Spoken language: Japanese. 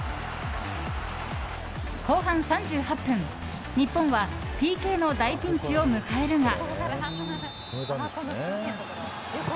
後半３８分、日本はＰＫの大ピンチを迎えるが。